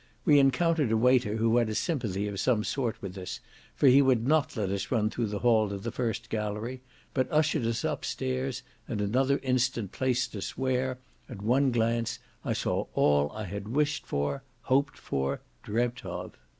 We encountered a waiter who had a sympathy of some sort with us, for he would not let us run through the hall to the first gallery, but ushered us up stairs, and another instant placed us where, at one glance, I saw all I had wished for, hoped for, dreamed of.